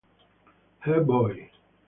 Her Boy